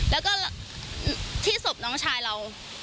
แล้วก็ที่ศพน้องชายเรา